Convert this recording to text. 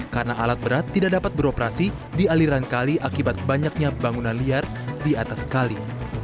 karena alat berat tidak dapat beroperasi di aliran kali akibat banyaknya bangunan liar di atas kali